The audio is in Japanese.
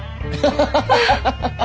ハハハハハハッ！